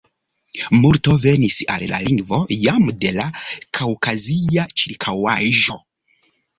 Multo venis al la lingvo jam de la kaŭkazia ĉirkaŭaĵo.